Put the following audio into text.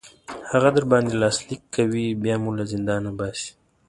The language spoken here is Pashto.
هغه در باندې لاسلیک کوي بیا مو له زندان باسي.